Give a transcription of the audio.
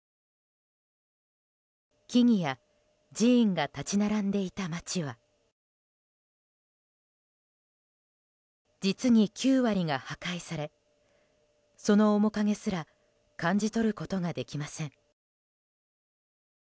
木々や寺院が立ち並んでいた街は実に９割が破壊されその面影すら感じ取ることができません。